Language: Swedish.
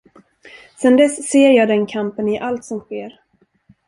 Sen dess ser jag den kampen i allt som sker.